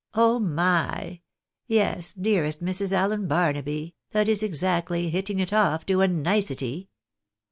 " Oh my ! Yes, dearest Mrs. Allen Barnaby, that is exactly hitting it off to a nicety.